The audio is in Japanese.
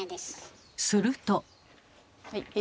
すると。